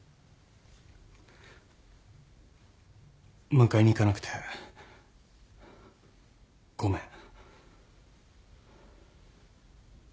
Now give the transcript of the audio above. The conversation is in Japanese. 迎えに行かなくてごめん。